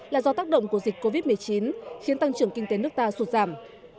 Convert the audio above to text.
là do tác động của dịch covid một mươi chín khiến tăng trưởng kinh tế nước ta sụt giảm